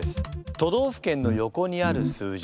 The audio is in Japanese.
都道府県の横にある数字